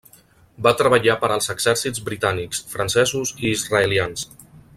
Va treballar per als exèrcits britànics, francesos i israelians.